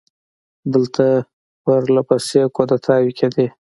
دلته پر له پسې کودتاوې کېدې.